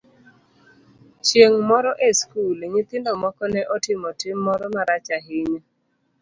Chieng' moro e skul, nyithindo moko ne otimo tim moro marach ahinya.